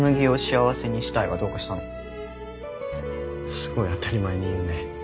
すごい当たり前に言うね。